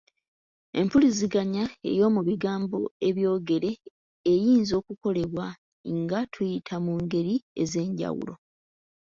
Empuliziganya ey’omu bigambo ebyogere eyinza okukolebwa nga tuyita mu ngeri ez'enjawulo.